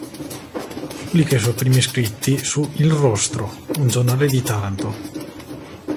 Pubblica i suoi primi scritti su "Il Rostro" un giornale di Taranto.